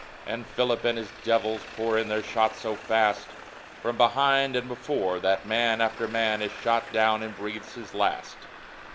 And Philip and his Devils pour in their Shot so fast, From behind and before, That Man after Man is shot down and breathes his last.